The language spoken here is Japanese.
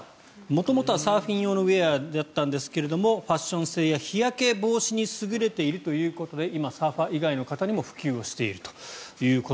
元々はサーフィン用のウェアだったんですがファッション性や日焼け防止に優れているということで今、サーファー以外の方にも普及していると。